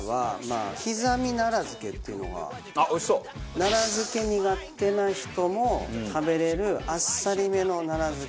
奈良漬け苦手な人も食べられるあっさりめの奈良漬け。